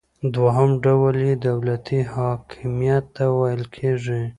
دوهم ډول یې دولتي حاکمیت ته ویل کیږي.